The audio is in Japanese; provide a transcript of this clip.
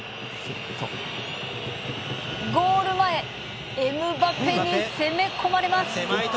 ゴール前エムバペに攻め込まれます。